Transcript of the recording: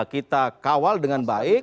kita kawal dengan baik